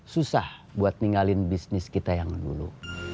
susah buat ninggalin bisnis kita yang dulu